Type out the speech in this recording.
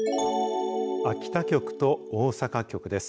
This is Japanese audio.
秋田局と大阪局です。